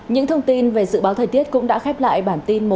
những thông tin về dự báo thời tiết cũng đã khép lại bản tin